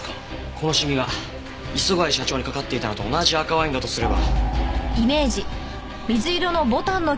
このシミが磯貝社長にかかっていたのと同じ赤ワインだとすれば。